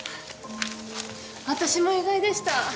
私も意外でした。